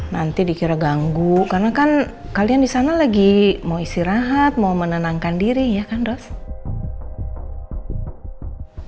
nanti dikira ganggu karena kan kalian di sana lagi mau istirahat mau menenangkan diri ya kan dok